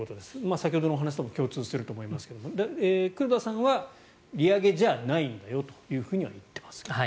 先ほどのお話とも共通すると思いますが黒田さんは利上げじゃないんだよと言っていますけれども。